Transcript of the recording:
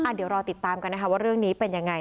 เดี๋ยวรอติดตามกันนะคะว่าเรื่องนี้เป็นยังไง